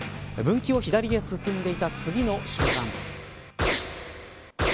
分岐を左へ進んでいた次の瞬間。